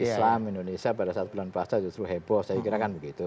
yang terkenal di dalam indonesia pada saat bulan puasa justru heboh saya kira kan begitu